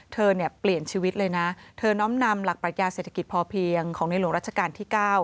เธอเนี่ยเปลี่ยนชีวิตเลยนะเธอน้อมนำหลักปรัชญาเศรษฐกิจพอเพียงของในหลวงรัชกาลที่๙